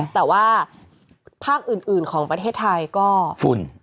แต่ว่าภาคอื่นของประเทศไทยก็ฝุ่น